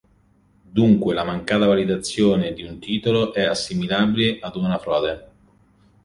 Dunque, la mancata validazione di un titolo è assimilabile ad una frode.